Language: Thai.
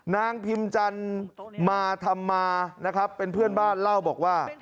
นางพิมจันทร์มาธรรมานะครับเป็นเพื่อนบ้านเล่าบอกว่า